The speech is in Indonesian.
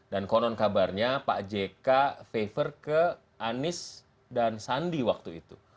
dan konon kabarnya pak jk favor ke anies dan sandi waktu itu